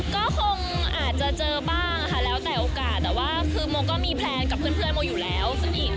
ก็คงอาจจะเจอบ้างค่ะแล้วแต่โอกาสแต่ว่าคือโมก็มีแพลนกับเพื่อนโมอยู่แล้วซึ่งอีก